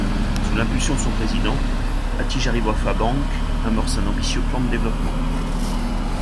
Sous l'impulsion de son président, Attijariwafa bank amorce un ambitieux plan de développement.